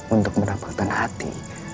untuk mendapatkan hati